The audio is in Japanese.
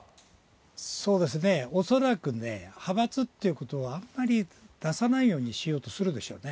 そうですね、恐らくね、派閥っていうことはあんまり出さないようにしようとするでしょうね。